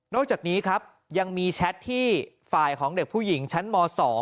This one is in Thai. จากนี้ครับยังมีแชทที่ฝ่ายของเด็กผู้หญิงชั้นม๒